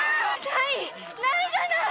はい。